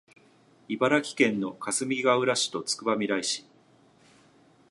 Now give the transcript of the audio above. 茨城県のかすみがうら市とつくばみらい市